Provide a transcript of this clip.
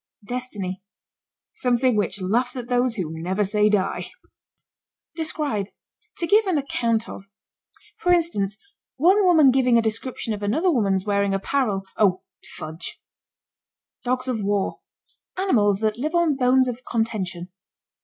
DESTINY. Something which laughs at those who never say die. DESCRIBE. To give an account of. For instance, one woman giving a description of another woman's wearing apparel oh, fudge! DOGS OF WAR. Animals that live on bones of contention.